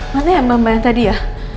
mana ya mbak mbak yang tadi ya